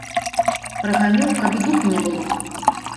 Праганю, каб і духу не было.